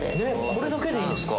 「これだけでいいんですか」